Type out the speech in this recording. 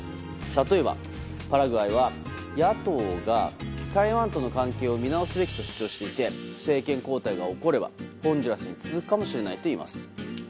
例えばパラグアイは、野党が台湾との関係を見直すべきと主張していて政権交代が起こればホンジュラスに続くかもしれないといいます。